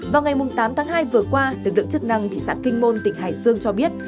vào ngày tám tháng hai vừa qua lực lượng chức năng thị xã kinh môn tỉnh hải dương cho biết